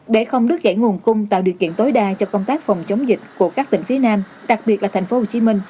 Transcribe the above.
để không lứt gãy nguồn cung tạo điều kiện tối đa cho công tác phòng chống dịch của các tỉnh phía nam đặc biệt là tp hcm